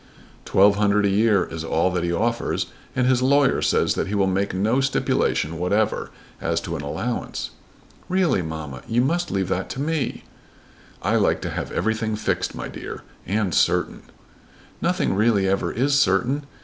"Twelve hundred a year is all that he offers, and his lawyer says that he will make no stipulation whatever as to an allowance." "Really, mamma, you might leave that to me." "I like to have everything fixed, my dear, and certain." "Nothing really ever is certain.